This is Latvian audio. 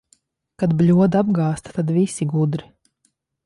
Kad bļoda apgāzta, tad visi gudri.